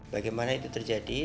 bagaimana itu terjadi